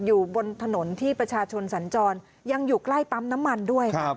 อยู่บนถนนที่ประชาชนสัญจรยังอยู่ใกล้ปั๊มน้ำมันด้วยครับ